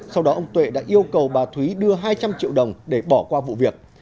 sau đó ông tuệ đã yêu cầu bà thúy đưa hai trăm linh triệu đồng để bỏ qua vụ việc